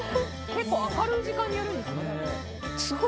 結構明るい時間にやるんですね。